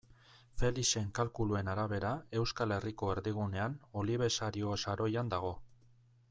Felixen kalkuluen arabera, Euskal Herriko erdigunean Olibesario saroian dago.